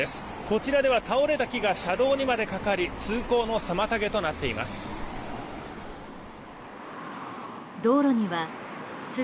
こちらでは倒れた木が車道にまでかかり通行の妨げとなっています。